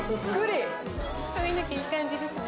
髪の毛いい感じですね。